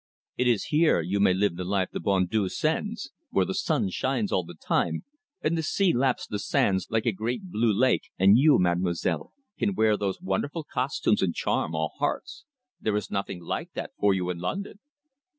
It is here you may live the life the bon Dieu sends, where the sun shines all the time and the sea laps the sands like a great blue lake, and you, mademoiselle, can wear those wonderful costumes and charm all hearts. There is nothing like that for you in London."